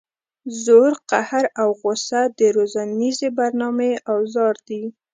زور قهر او غصه د روزنیزې برنامې اوزار دي.